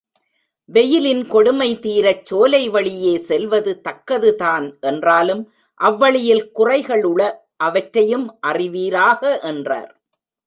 வெய்யிலின் கொடுமை தீரச் சோலை வழியே செல்வது தக்கதுதான் என்றாலும் அவ்வழியில் குறைகள் உள அவற்றையும் அறிவீராக என்றார்.